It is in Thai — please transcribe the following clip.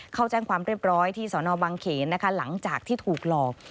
เข้าแจ้งความเรียบร้อยที่สนบังเขนนะคะหลังจากที่ถูกหลอก